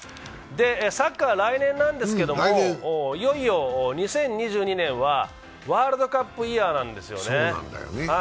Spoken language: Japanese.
サッカー、来年なんですけど、いよいよ２０２０年はワールドカップイヤーなんですよね。